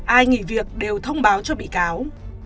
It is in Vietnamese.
ai nghỉ việc đều thông báo cho bị cáo